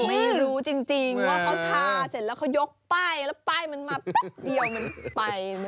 ไม่รู้จริงว่าเขาทาเสร็จแล้วเขายกป้ายแล้วป้ายมันมาแป๊บเดียวมันไป